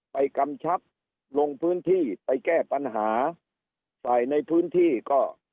กำชับลงพื้นที่ไปแก้ปัญหาฝ่ายในพื้นที่ก็